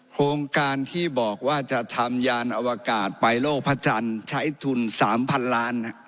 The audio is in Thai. โครงการที่บอกว่าจะทำยานอวกาศไปโลกพระจันทร์ใช้ทุน๓๐๐๐ล้าน